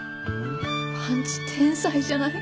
パンチ天才じゃない？